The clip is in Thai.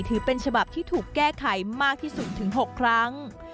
ถือเป็นฉบับที่ถูกแก้ไขมากที่สุดถึง๖ครั้ง